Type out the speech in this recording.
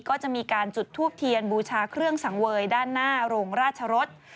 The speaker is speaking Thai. ก็จะมีการจุดทูบเทียนบูชาเครื่องสังเวยด้านหน้าโรงราชรส